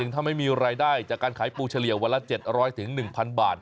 ถ้าไม่มีรายได้จากการขายปูเฉลี่ยวันละ๗๐๐๑๐๐บาท